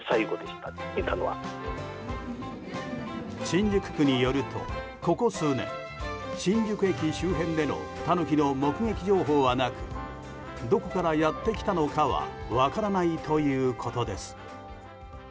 新宿区によると、ここ数年新宿駅周辺でのタヌキの目撃情報はなくどこからやってきたのかは分からないということです。